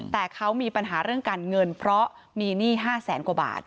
แต่เขามีปัญหาเรื่องการเงินเพราะมีหนี้๕แสนกว่าบาท